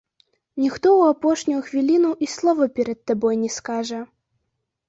Ніхто ў апошнюю хвіліну і слова перад табой не скажа.